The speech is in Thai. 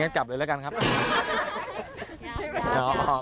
มันก็อย่างนี้กับกันครับ